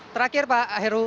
terakhir pak heru